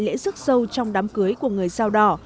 lễ sức sâu trong đám cưới của người sao đỏ